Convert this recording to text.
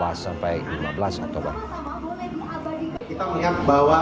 kita melihat bahwa terjadinya peningkatan ekosistem pariwisata